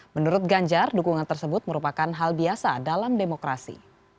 menurut ganjar dukungan tersebut merupakan hal biasa dalam demokrasi